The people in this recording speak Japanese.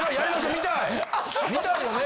見たいよね。